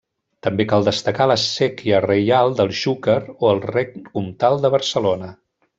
També cal destacar la Séquia Reial del Xúquer o el Rec Comtal de Barcelona.